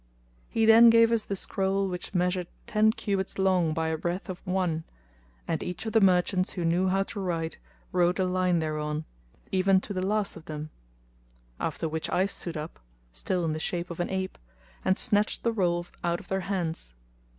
He then gave us the scroll which measured ten cubits long by a breadth of one, and each of the merchants who knew how to write wrote a line thereon, even to the last of them; after which I stood up (still in the shape of an ape) and snatched the roll out of their hands.